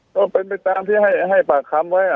ก็เป็นไปตามที่ให้ปากคำไว้